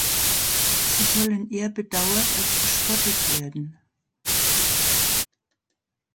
Sie sollen eher bedauert als verspottet werden.